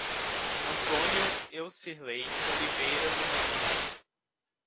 Antônio Eucirley Oliveira do Nascimento